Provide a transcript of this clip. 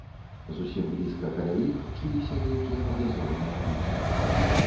Зусім блізка каля іх чуліся нейкія падазроныя гукі.